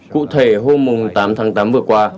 cụ thể hôm tám tháng tám vừa qua